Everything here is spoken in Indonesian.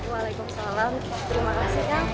waalaikumsalam terima kasih kang